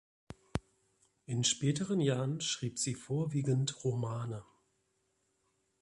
In späteren Jahren schrieb sie vorwiegend Romane.